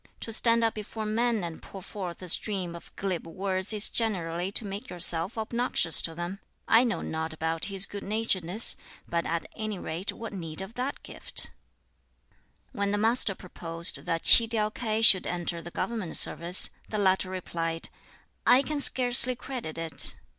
To stand up before men and pour forth a stream of glib words is generally to make yourself obnoxious to them. I know not about his good naturedness; but at any rate what need of that gift?" When the Master proposed that Tsi tiau K'ai should enter the government service, the latter replied, "I can scarcely credit it."